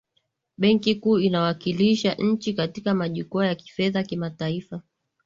benki kuu inawakilisha nchi katika majukwaa ya kifedha kimataifa